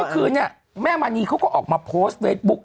เมื่อคืนเนี่ยแม่มณีเขาก็ออกมาโพสต์เฟซบุ๊ก